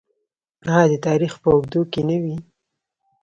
آیا د تاریخ په اوږدو کې نه وي؟